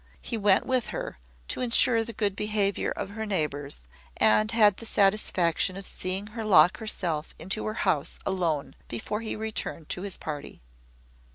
He went with her, to ensure the good behaviour of her neighbours, and had the satisfaction of seeing her lock herself into her house alone before he returned to his party.